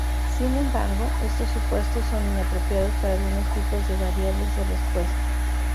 Sin embargo, estos supuestos son inapropiados para algunos tipos de variables de respuesta.